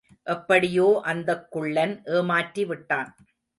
எப்படியோ அந்தக் குள்ளன் ஏமாற்றிவிட்டான்.